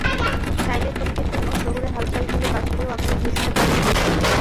চাইলে ক্ষণিকের জন্য শহুরে হালচাল ভুলে বাস্তবেও আপনি ভিজতে পারেন বৃষ্টিতে।